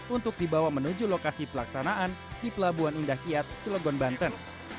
untuk dibawa menuju lokasi pelaksanaan di pelabuhan indah kiat celegon banten